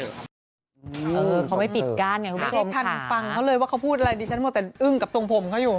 เขาไม่ปิดกั้นไงคุณผู้ชมท่านฟังเขาเลยว่าเขาพูดอะไรดิฉันมัวแต่อึ้งกับทรงผมเขาอยู่